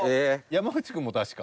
山内くんも確か。